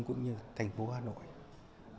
cũng như thành phố hà nội văn minh hiện đại